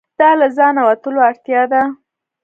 دا له ځانه وتلو اړتیا ده.